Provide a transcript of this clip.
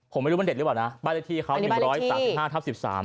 ผมไม่รู้มันเด็ดหรือเปล่านะบ้านเลขที่เขา๑๓๕ทับ๑๓